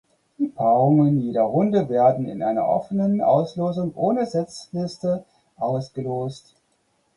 Die Paarungen jeder Runde werde in einer offenen Auslosung ohne Setzliste ausgelost.